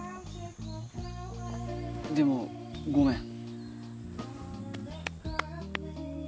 でもごめん。